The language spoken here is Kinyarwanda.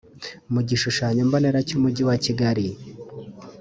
Mu gishushanyombonera cy’Umujyi wa Kigali